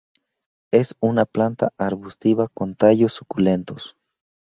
Es una planta arbustiva con tallos suculentos.